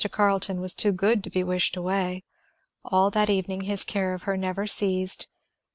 Carleton was too good to be wished away. All that evening his care of her never ceased.